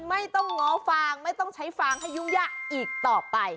ไม่ต้องง้อฟางไม่ต้องใช้ฟางให้ยุ่งยากอีกต่อไป